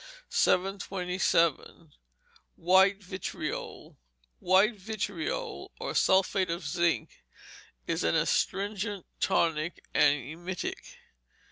727. White Vitriol White Vitriol, or Sulphate of Zinc, is an astringent, tonic, and emetic.